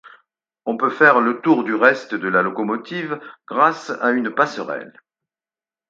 On peut faire le tour du reste de la locomotive grâce à une passerelle.